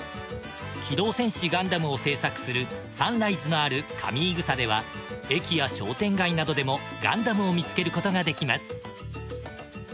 『機動戦士ガンダム』を制作するサンライズのある上井草では駅や商店街などでもガンダムを見つけることができます。